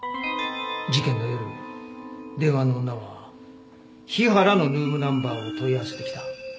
事件の夜電話の女は日原のルームナンバーを問い合わせてきた。